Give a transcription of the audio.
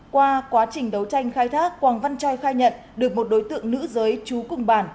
qua quá trình đấu tranh khai thác quảng văn trai khai nhận được một đối tượng nữ giới trú cùng bản